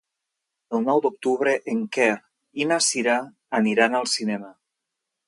El nou d'octubre en Quer i na Cira aniran al cinema.